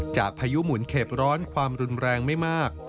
พายุหมุนเข็บร้อนความรุนแรงไม่มาก